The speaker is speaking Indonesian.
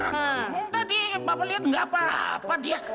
tadi papa lihat nggak apa apa dia